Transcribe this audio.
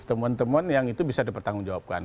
teman teman yang itu bisa dipertanggungjawabkan